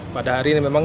pada hari ini memang